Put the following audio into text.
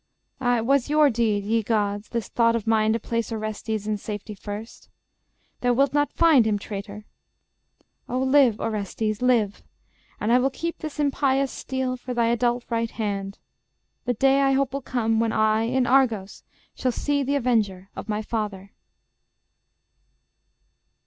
... Ah, it was your deed, Ye gods, this thought of mine to place Orestes In safety first. Thou wilt not find him, traitor. Ah live, Orestes, live: and I will keep This impious steel for thy adult right hand. The day, I hope, will come, when I in Argos Shall see thee the avenger of thy father.